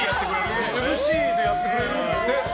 ＭＣをやってくれるんですって。